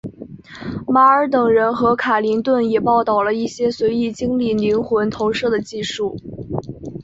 马尔等人和卡林顿也报道了一些随意经历灵魂投射的技术。